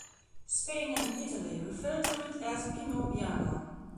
Spain and Italy refer to it as Pinot bianco.